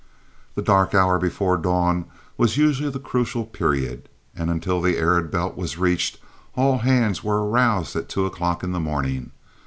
The dark hour before dawn was usually the crucial period, and until the arid belt was reached all hands were aroused at two o'clock in the morning.